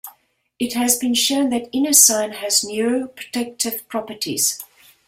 It has been shown that inosine has neuroprotective properties.